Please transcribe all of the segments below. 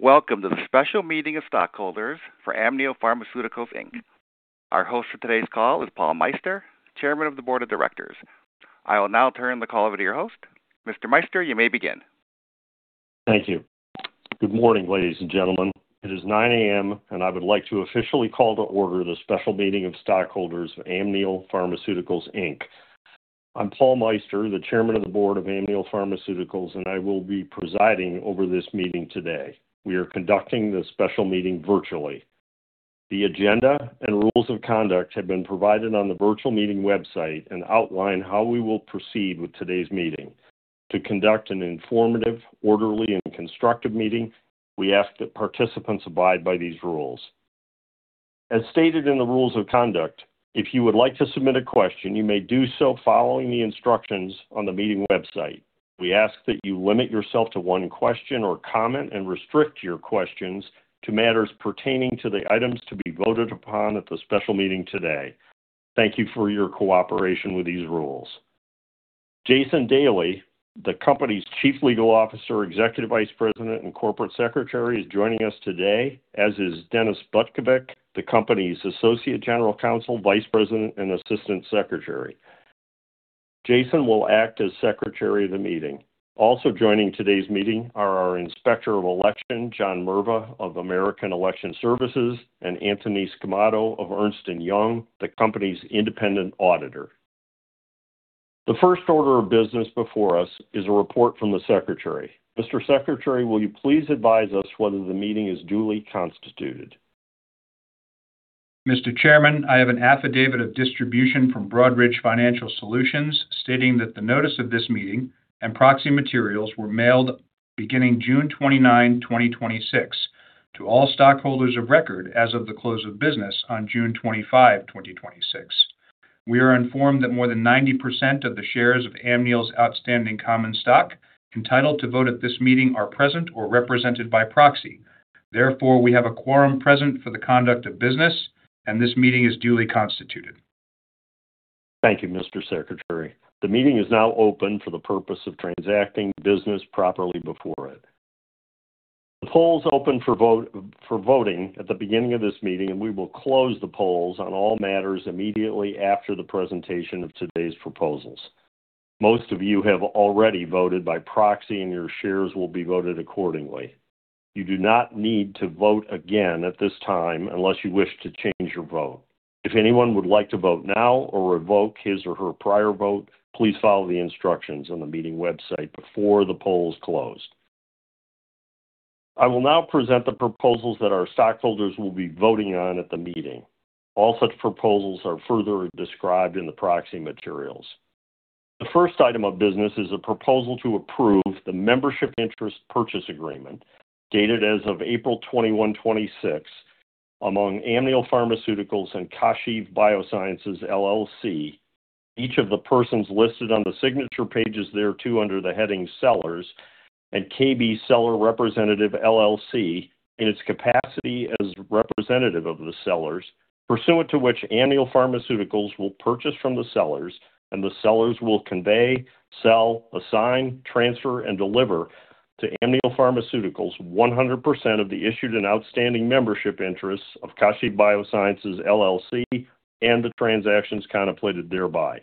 Welcome to the Special Meeting of Stockholders for Amneal Pharmaceuticals, Inc. Our host for today's call is Paul Meister, Chairman of the Board of Directors. I will now turn the call over to your host. Mr. Meister, you may begin. Thank you. Good morning, ladies and gentlemen. It is 9:00 A.M. I would like to officially call to order the Special Meeting of Stockholders of Amneal Pharmaceuticals, Inc. I'm Paul Meister, the Chairman of the Board of Amneal Pharmaceuticals, and I will be presiding over this meeting today. We are conducting this Special Meeting virtually. The agenda and rules of conduct have been provided on the virtual meeting website and outline how we will proceed with today's meeting. To conduct an informative, orderly, and constructive meeting, we ask that participants abide by these rules. As stated in the rules of conduct, if you would like to submit a question, you may do so following the instructions on the meeting website. We ask that you limit yourself to one question or comment and restrict your questions to matters pertaining to the items to be voted upon at the special meeting today. Thank you for your cooperation with these rules. Jason Daly, the company's Chief Legal Officer, Executive Vice President, and Corporate Secretary, is joining us today, as is Dennis Butkiewicz, the company's Associate General Counsel, Vice President, and Assistant Secretary. Jason will act as secretary of the meeting. Also joining today's meeting are our Inspector of Election, John Mirva of American Election Services, and Anthony Sgammato of Ernst & Young, the company's independent auditor. The first order of business before us is a report from the secretary. Mr. Secretary, will you please advise us whether the meeting is duly constituted? Mr. Chairman, I have an affidavit of distribution from Broadridge Financial Solutions stating that the notice of this meeting and proxy materials were mailed beginning June 29, 2026 to all stockholders of record as of the close of business on June 25, 2026. We are informed that more than 90% of the shares of Amneal's outstanding Common Stock entitled to vote at this meeting are present or represented by proxy. Therefore, we have a quorum present for the conduct of business, and this meeting is duly constituted. Thank you, Mr. Secretary. The meeting is now open for the purpose of transacting business properly before it. We will close the polls on all matters immediately after the presentation of today's proposals. Most of you have already voted by proxy, and your shares will be voted accordingly. You do not need to vote again at this time unless you wish to change your vote. If anyone would like to vote now or revoke his or her prior vote, please follow the instructions on the meeting website before the polls close. I will now present the proposals that our stockholders will be voting on at the meeting. All such proposals are further described in the proxy materials. The first item of business is a proposal to approve the Membership Interest Purchase Agreement, dated as of April 21, 2026, among Amneal Pharmaceuticals and Kashiv BioSciences, LLC, each of the persons listed on the signature pages thereto under the heading "Sellers," and KB Seller Representative LLC, in its capacity as representative of the sellers, pursuant to which Amneal Pharmaceuticals will purchase from the sellers and the sellers will convey, sell, assign, transfer, and deliver to Amneal Pharmaceuticals 100% of the issued and outstanding membership interests of Kashiv BioSciences, LLC and the transactions contemplated thereby.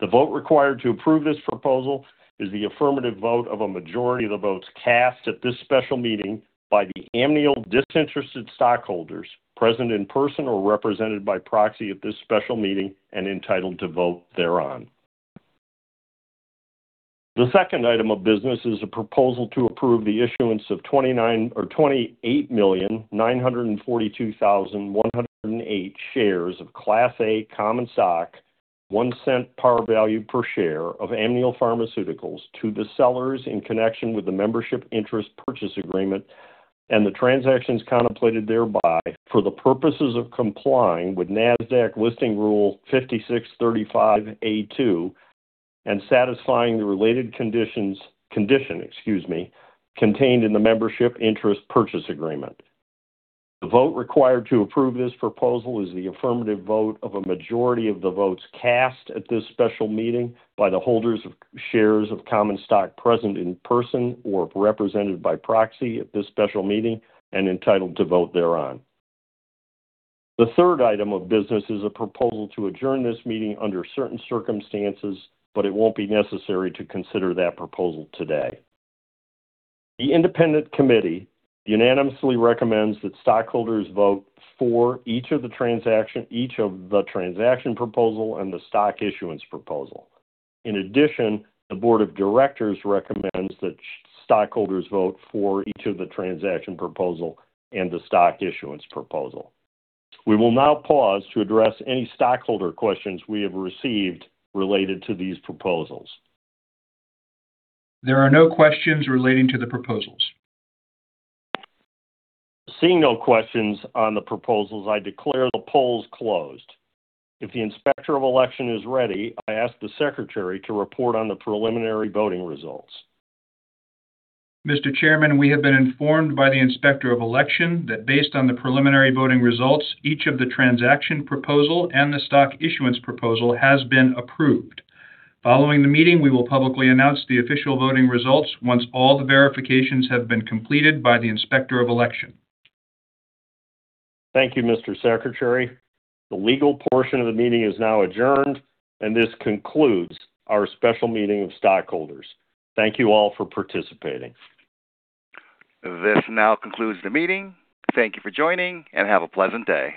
The vote required to approve this proposal is the affirmative vote of a majority of the votes cast at this special meeting by the Amneal disinterested stockholders, present in person or represented by proxy at this Special Meeting and entitled to vote thereon. The second item of business is a proposal to approve the issuance of 28,942,108 shares of Class A common stock, $0.01 par value per share of Amneal Pharmaceuticals to the sellers in connection with the Membership Interest Purchase Agreement and the transactions contemplated thereby for the purposes of complying with Nasdaq Listing Rule 5635(a)(2) and satisfying the related conditions contained in the Membership Interest Purchase Agreement. The vote required to approve this proposal is the affirmative vote of a majority of the votes cast at this special meeting by the holders of shares of Common Stock present in person or represented by proxy at this special meeting and entitled to vote thereon. The third item of business is a proposal to adjourn this meeting under certain circumstances, but it won't be necessary to consider that proposal today. The Independent Committee unanimously recommends that stockholders vote for each of the transaction proposal and the stock issuance proposal. In addition, the Board of Directors recommends that stockholders vote for each of the transaction proposal and the stock issuance proposal. We will now pause to address any stockholder questions we have received related to these proposals. There are no questions relating to the proposals. Seeing no questions on the proposals, I declare the polls closed. If the Inspector of Election is ready, I ask the Secretary to report on the preliminary voting results. Mr. Chairman, we have been informed by the Inspector of Election that based on the preliminary voting results, each of the transaction proposal and the stock issuance proposal has been approved. Following the meeting, we will publicly announce the official voting results once all the verifications have been completed by the Inspector of Election. Thank you, Mr. Secretary. The legal portion of the meeting is now adjourned. This concludes our Special Meeting of Stockholders. Thank you all for participating. This now concludes the meeting. Thank you for joining, and have a pleasant day.